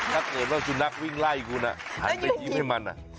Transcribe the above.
ถ้าเกิดว่าสุนัขวิ่งไล่คุณหันไปยิ้มให้มัน